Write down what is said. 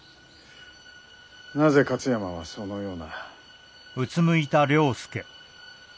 なぜ勝山はそのような。